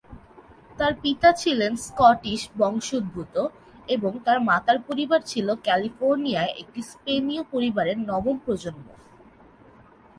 তার পিতা ছিলেন স্কটিশ বংশোদ্ভূত এবং তার মাতার পরিবার ছিল ক্যালিফোর্নিয়ায় একটি স্পেনীয় পরিবারের নবম প্রজন্ম।